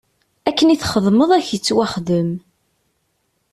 Akken i txedmeḍ ad ak-ittwaxdem.